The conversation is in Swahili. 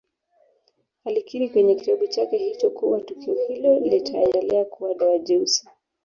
Alikiri kwenye kitabu chake hicho kuwa tukio hilo litaendelea kuwa doa jeusi